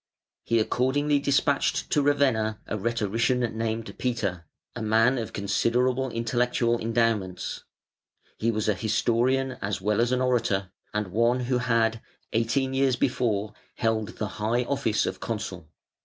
He accordingly despatched to Ravenna a rhetorician named Peter, a man of considerable intellectual endowments he was a historian as well as an orator and one who had, eighteen years before, held the high office of consul.